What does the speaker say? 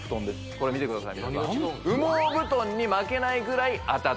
これ見てください